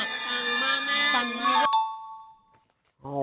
ตังค์มาก